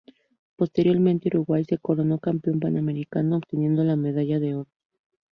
Posteriormente Uruguay se coronó campeón panamericano, obteniendo la medalla de oro.